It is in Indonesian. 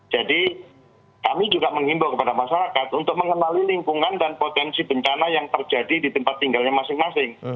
jadi kami juga menghimbau kepada masyarakat untuk mengenali lingkungan dan potensi bencana yang terjadi di tempat tinggalnya masing masing